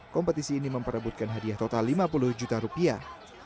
kompetisi ini memperebutkan hadiah total lima puluh juta rupiah